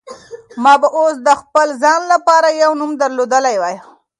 ما به اوس د خپل ځان لپاره یو نوم درلودلی وای.